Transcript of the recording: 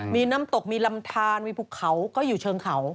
มีน้ำตกมีลำทานมีภูเขาก็อยู่เชิงเขา